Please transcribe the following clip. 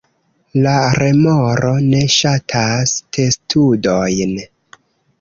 La remoro ne ŝatas testudojn.